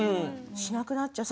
しなくなっちゃう。